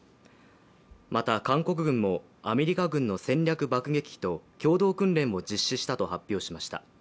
また、韓国軍もアメリカ軍の戦略爆撃機と共同訓練を実施したと発表しました。